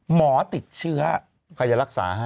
หมอติดเชื้อใครจะรักษาให้